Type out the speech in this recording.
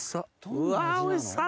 うわおいしそう！